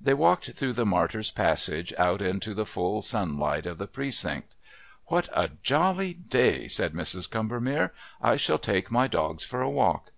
They walked through the Martyr's Passage out into the full sunlight of the Precincts. "What a jolly day!" said Mrs. Combermere, "I shall take my dogs for a walk.